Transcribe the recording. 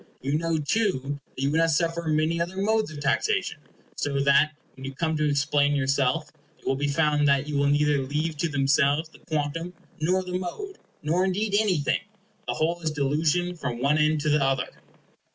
You know, too, that you would not suffer many other modes of taxation, so that, when you come to explain yourself, it will be found that you will neither leave to themselves the quantum nor the mode, nor indeed anything. The whole is delusion from one end to the other.